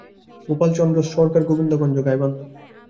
Gopal Chandra সরকারগোবিন্দগঞ্জ, Gaibandha.